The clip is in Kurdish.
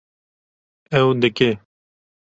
Ew dike